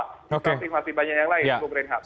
tapi masih banyak yang lain bu brain ha